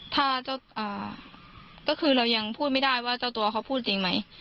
ถ้าเจ้าก็คือเรายังพูดไม่ได้ว่าเจ้าตัวเขาพูดจริงไหม